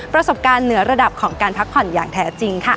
ประสบการณ์เหนือระดับของการพักผ่อนอย่างแท้จริงค่ะ